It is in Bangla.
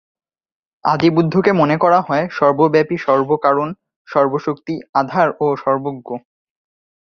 আদিবুদ্ধকে মনে করা হয় সর্বব্যাপী, সর্বকারণ, সর্বশক্তির আধার ও সর্বজ্ঞ।